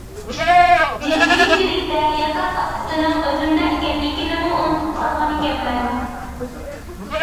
جىددىيچىلىكتە ياتاق ئاچقۇچىنىڭ ئۆزۈمدە ئىكەنلىكىنىمۇ ئۇنتۇپ قالغانىكەنمەن.